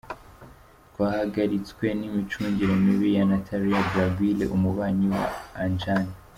Twahagaritswe n’imicungire mibi ya Nathalie Blaquiere, umubanyi wa Anjan.